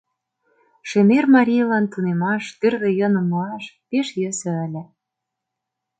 Шемер марийлан тунемаш, тӱрлӧ йӧным муаш пеш йӧсӧ ыле.